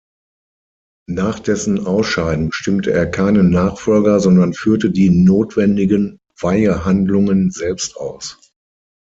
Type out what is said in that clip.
Nach dessen Ausscheiden bestimmte er keinen Nachfolger, sondern führte die notwendigen Weihehandlungen selbst aus.